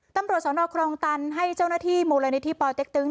ตำรวจสนครองตันให้เจ้าหน้าที่มูลนิธิปอเต็กตึง